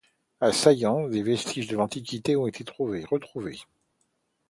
À Saillans, des vestiges de l'Antiquité ont été retrouvés.